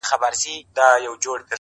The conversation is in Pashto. وڅڅوي اوښکي اور تر تلي کړي-